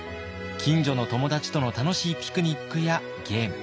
近所の友達との楽しいピクニックやゲーム。